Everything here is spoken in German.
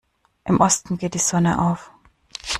Im Osten geht die Sonne auf.